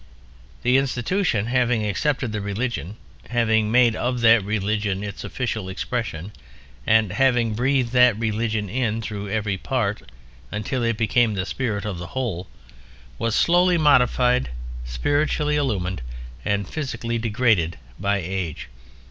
The institution—having accepted the religion, having made of that religion its official expression, and having breathed that religion in through every part until it became the spirit of the whole—was slowly modified, spiritually illumined and physically degraded by age.